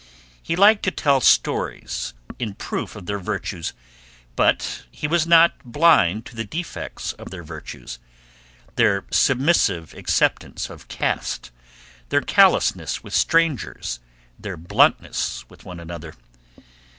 He liked to tell stories in proof of their virtues, but he was not blind to the defects of their virtues: their submissive acceptance of caste, their callousness with strangers; their bluntness with one another.